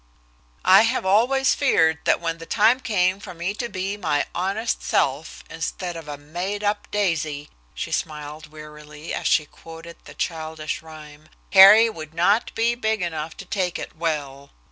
"I have always feared that when the time came for me to be 'my honest self' instead of a 'made up daisy'" she smiled wearily as she quoted the childish rhyme "Harry would not be big enough to take it well.